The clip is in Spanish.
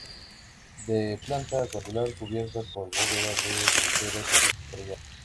De planta cuadrangular, cubierta por bóveda de crucería estrellada.